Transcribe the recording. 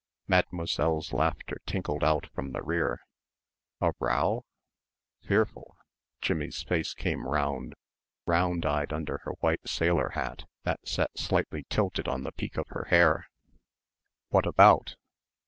Mademoiselle's laughter tinkled out from the rear. "A row?" "Fearful!" Jimmie's face came round, round eyed under her white sailor hat that sat slightly tilted on the peak of her hair. "What about?"